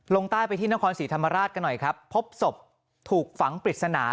ลงใต้ไปที่นครศรีธรรมราชกันหน่อยครับพบศพถูกฝังปริศนา